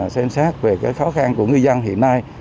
xem xét về khó khăn của ngư dân hiện nay